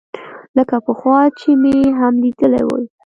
لکه پخوا چې مې هم ليدلى وي.